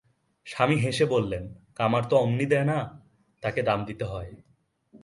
স্বামী হেসে বললেন, কামার তো অমনি দেয় না, তাকে দাম দিতে হয়।